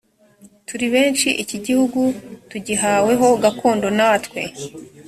turi benshi iki gihugu tugihawe ho gakondo natwe